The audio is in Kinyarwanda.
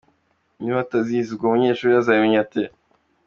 Niba batazizi, ubwo umunyeshuri azazimenya ate?”.